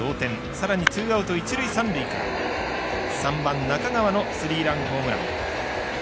さらにツーアウト一塁、三塁から３番、中川のスリーランホームラン。